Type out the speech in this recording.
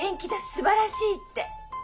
すばらしいって。